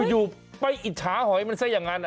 อยู่ไปอิจฉาหอยมันซะอย่างนั้น